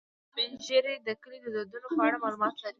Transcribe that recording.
سپین ږیری د کلي د دودونو په اړه معلومات لري